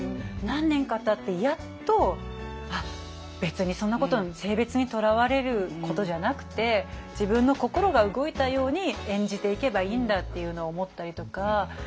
何年かたってやっとあっ別にそんなこと性別にとらわれることじゃなくて自分の心が動いたように演じていけばいいんだっていうのを思ったりとか。